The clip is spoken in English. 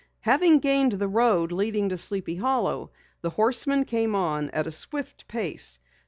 Having gained the road leading to Sleepy Hollow, the horseman came on at a swift pace.